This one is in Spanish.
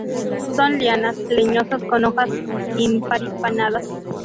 Son lianas leñosas con hojas imparipinnadas.